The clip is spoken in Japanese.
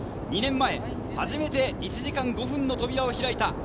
２年前初めて１時間５分の扉を開いた。